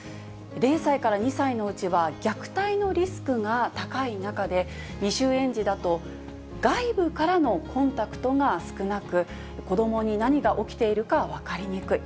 ０歳から２歳のうちは虐待のリスクが高い中で、未就園児だと外部からのコンタクトが少なく、子どもに何が起きているか分かりにくい。